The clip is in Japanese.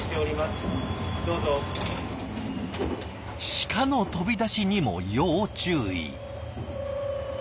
シカの飛び出しにも要注意。